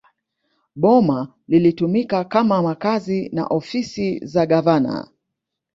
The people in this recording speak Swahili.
Boma lilitumika kama makazi na ofisi za gavana